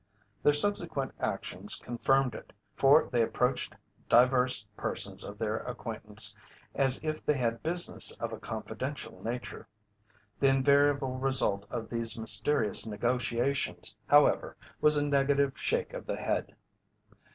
Their subsequent actions confirmed it, for they approached divers persons of their acquaintance as if they had business of a confidential nature. The invariable result of these mysterious negotiations, however, was a negative shake of the head.